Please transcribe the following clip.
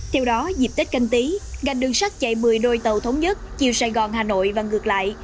theo đó dịp tết canh tí gành đường sắt chạy một mươi đôi tàu thống nhất chiều sài gòn hà nội và ngược lại